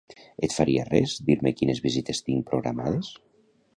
Et faries res dir-me quines visites tinc programades?